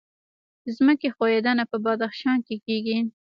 د ځمکې ښویدنه په بدخشان کې کیږي